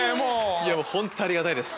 本当ありがたいです。